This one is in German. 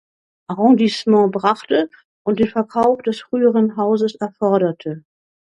Arrondissement brachte und den Verkauf des früheren Hauses erforderte.